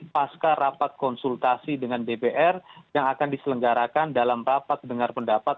pasca rapat konsultasi dengan dpr yang akan diselenggarakan dalam rapat dengar pendapat